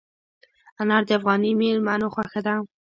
انار د افغاني مېلمنو خوښه ده.